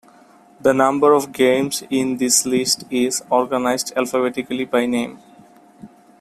The number of games in this list is, organized alphabetically by name.